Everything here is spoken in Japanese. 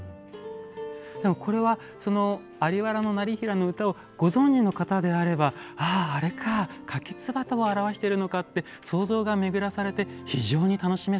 これは在原業平の歌をご存じの方であれば「あああれかカキツバタを表しているのか」って想像が巡らされて非常に楽しめそうですね。